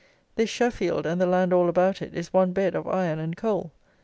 This Sheffield, and the land all about it, is one bed of iron and coal.